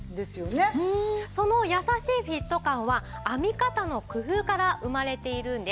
その優しいフィット感は編み方の工夫から生まれているんです。